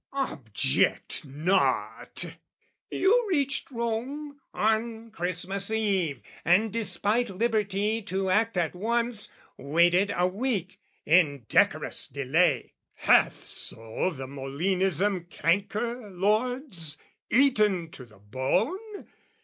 Object not, "You reached Rome on Christmas eve, "And, despite liberty to act at once, "Waited a week indecorous delay!" Hath so the Molinism canker, lords, Eaten to the bone?